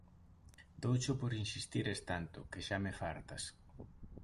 Doucho por insistires tanto, que xa me fartas.